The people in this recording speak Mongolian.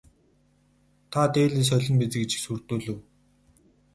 Та дээлээ солино биз гэж сүрдүүлэв.